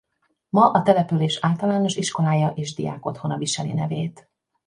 Ma a település általános iskolája és diákotthona viseli nevét.